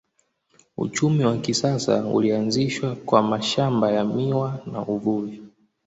Uchumi wa kisasa ulianzishwa kwa mashamba ya miwa na uvuvi.